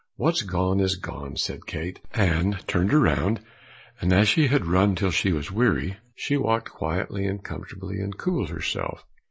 "What's gone is gone!" said Kate, and turned round, and as she had run till she was weary, she walked quietly and comfortably, and cooled herself.